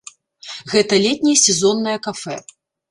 Гэта летняе сезоннае кафэ.